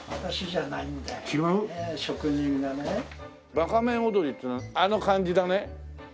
ばか面踊りっていうのはあの感じだね？